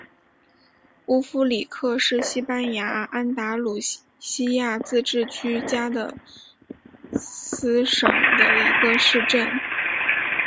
乌夫里克是西班牙安达卢西亚自治区加的斯省的一个市镇。